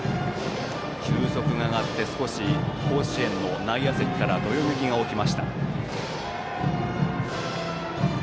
球速が上がって少し甲子園の内野席からどよめきが起きました。